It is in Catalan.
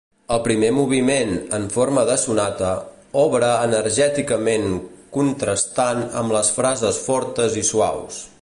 El primer moviment, en forma de sonata, obre energèticament contrastant amb frases fortes i suaus.